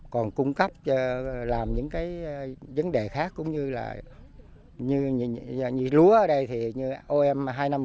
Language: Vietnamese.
còn cung cấp cho làm những cái vấn đề khác cũng như là như lúa ở đây thì như oem hai nghìn một mươi bảy